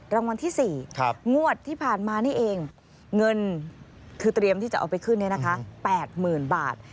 รางวัลที่สี่งวดที่ผ่านมานี่เองเงินคือเตรียมที่จะออกไปขึ้นเนี่ยนะคะแปดหมื่นบาท